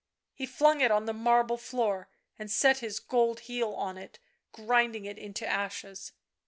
He flung it on the marble floor and set his gold heel on it, grinding it into ashes.